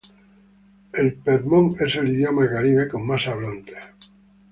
El pemón es el idioma caribe con más hablantes.